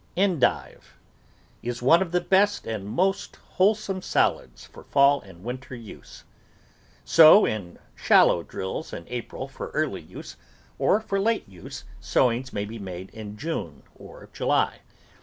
ENDIVE Is one of the best and most wholesome salads for fall and winter use. Sow in shallow drills in April for early use, or for late use, sowings may be made in June or July.